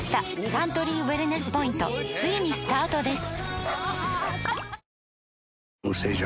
サントリーウエルネスポイントついにスタートです！